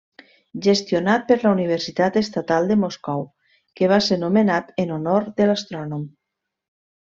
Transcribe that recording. Gestionat per la Universitat Estatal de Moscou, que va ser nomenat en honor de l'astrònom.